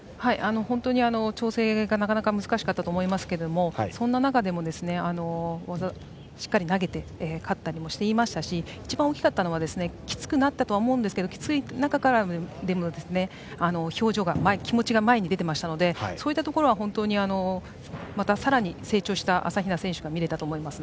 本当に調整がなかなか難しかったと思いますけれどもそんな中でもしっかり投げて勝ったりしていましたし一番大きかったのはきつくなったとは思いますがきつい中でも表情が、気持ちが前に出ていましたのでそういったところは本当にまたさらに成長した朝比奈選手が見られたと思います。